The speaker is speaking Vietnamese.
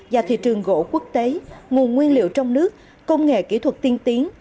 và thị trường gỗ quốc tế nguồn nguyên liệu trong nước công nghệ kỹ thuật tiên tiến